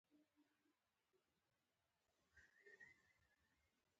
د مرستې پر ځای هارنونو یې دنیا په سر اخیستی وي.